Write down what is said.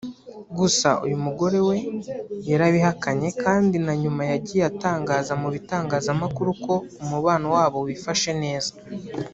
gusa uyu mugore we yarabihakanye kandi na nyuma yagiye atangaza mu bitangazamakuru ko umubano wabo wifashe neza